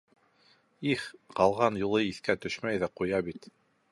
Их, ҡалған юлы иҫкә төшмәй ҙә ҡуя бит!..